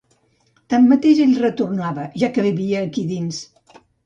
Tanmateix ell retornava ja que vivia aquí dins.